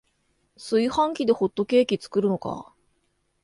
炊飯器でホットケーキ作るのか